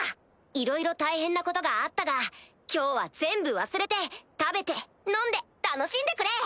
いろいろ大変なことがあったが今日は全部忘れて食べて飲んで楽しんでくれ！